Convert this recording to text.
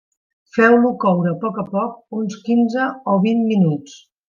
Feu-lo coure a poc a poc, uns quinze o vint minuts.